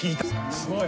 すごい。